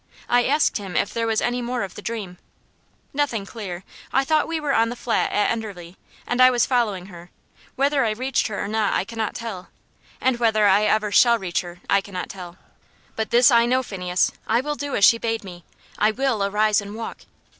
I asked him if there was any more of the dream? "Nothing clear. I thought we were on the Flat at Enderley, and I was following her; whether I reached her or not I cannot tell. And whether I ever shall reach her I cannot tell. But this I know, Phineas, I will do as she bade me; I will arise and walk."